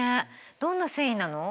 どんな繊維なの？